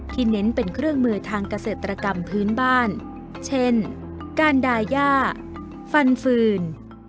เน้นเป็นเครื่องมือทางเกษตรกรรมพื้นบ้านเช่นการดาย่าฟันฟืน